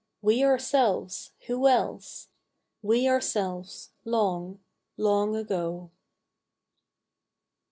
We ourselves, who else ? We ourselves long Long ago.